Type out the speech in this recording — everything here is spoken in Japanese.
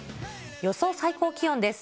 予想最高気温です。